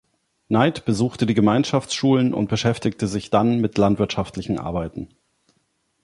Knight besuchte die Gemeinschaftsschulen und beschäftigte sich dann mit landwirtschaftlichen Arbeiten.